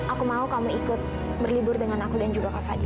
aku mau kamu ikut berlibur dengan aku dan juga kak fadil